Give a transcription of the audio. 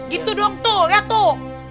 gitu dong tuh ya tuh